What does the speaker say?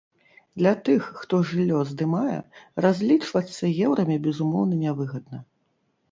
Для тых, хто жыллё здымае, разлічвацца еўрамі безумоўна нявыгадна.